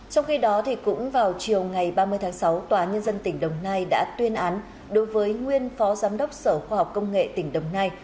trong khi đó cũng vào chiều ngày ba mươi tháng sáu tòa nhân dân tỉnh đồng nai đã tuyên án đối với nguyên phó giám đốc sở khoa học công nghệ tỉnh đồng nai